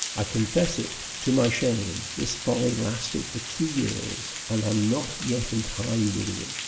I confess it, to my shame, this folly lasted for two years, and I am not yet entirely rid of it.